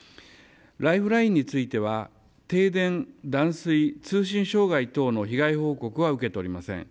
ライフラインについては停電、断水、通信障害等の被害報告は受けておりません。